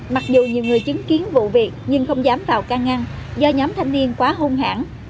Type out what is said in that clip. mặc dù nhiều người chứng kiến vụ việc nhưng không dám vào can ngăn do nhóm thanh niên quá hung hãn